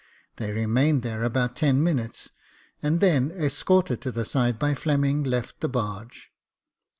They remained there about ten minutes, and then, escorted to the side by Fleming, left the barge.